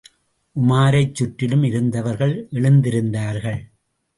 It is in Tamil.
உமாரைச்சுற்றிலும் இருந்தவர்கள் எழுந்திருந்தார்கள்.